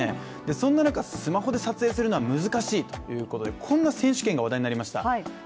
そんな中、スマホで撮影するのは難しいということでこんな選手権が話題になりました。